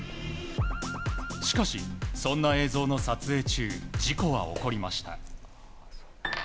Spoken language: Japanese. しかし、そんな映像の撮影中事故は起こりました。